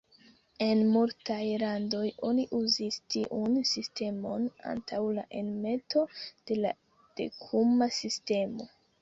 En multaj landoj oni uzis tiun sistemon antaŭ la enmeto de la dekuma sistemo.